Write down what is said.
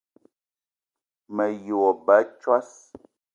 Me ye wo ba a tsos